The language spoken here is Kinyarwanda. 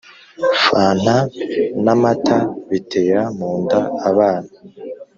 Fanta namata bitera munda abana